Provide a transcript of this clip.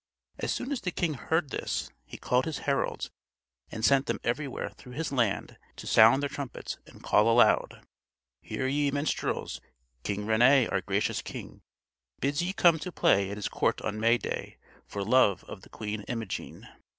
As soon as the king heard this, he called his heralds and sent them everywhere through his land to sound their trumpets and call aloud: "Hear, ye minstrels! King René, our gracious king, bids ye come to play at his court on May day, for love of the Queen Imogen."